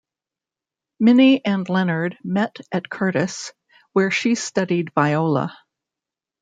Minnie and Leonard met at Curtis, where she studied viola.